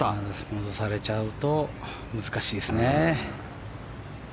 戻されちゃうと難しいですね。